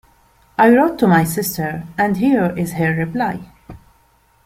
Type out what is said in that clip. I wrote to my sister, and here is her reply.